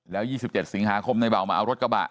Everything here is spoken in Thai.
แล้ว๒๗สิงหาคมในเบามาเอารถกระบะ